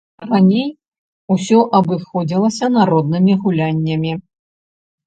Раней усё абыходзілася народнымі гуляннямі.